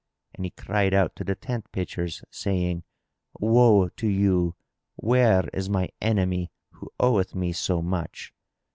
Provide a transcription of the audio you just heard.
and he cried out to the tent pitchers, saying, "Woe to you! Where is my enemy who oweth me so much?"